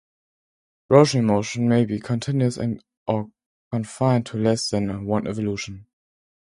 Rotary motion may be continuous or confined to less than one revolution.